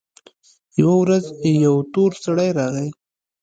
يوه ورځ يو تور سړى راغى.